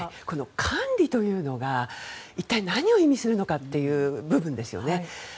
管理というのが一体何を意味するのかという部分ですよね。